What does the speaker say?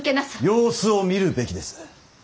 様子を見るべきです。